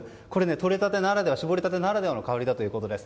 とれたて、搾りたてならではの香りだということです。